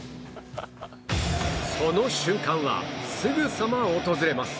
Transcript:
その瞬間はすぐさま訪れます。